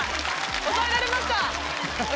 押さえられました。